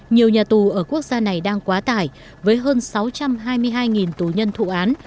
nhiều nhà tù ở quốc gia này đang quá tải với hơn sáu trăm hai mươi hai tù nhân thụ án